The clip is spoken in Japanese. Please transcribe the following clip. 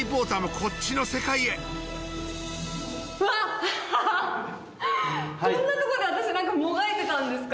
こんなとこで私もがいてたんですか。